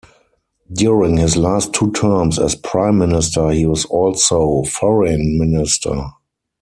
During his last two terms as prime minister, he was also foreign minister.